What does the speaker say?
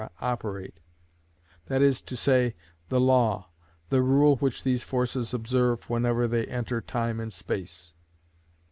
operate; that is to say, the law, the rule which these forces observe whenever they enter time and space.